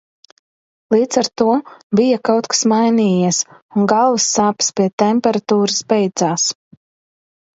Līdz ar to bija kaut kas mainījies un galvas sāpes pie temperatūras beidzās.